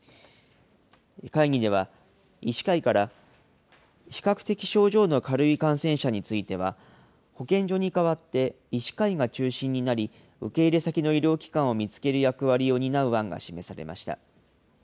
会議では、医師会から、比較的症状の軽い感染者については、保健所に代わって医師会が中心になり、受け入れ先の医療機関を見つける役割を担う案が示されました。